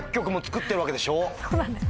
そうなんです